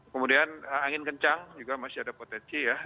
kemudian angin kencang juga masih ada potensi ya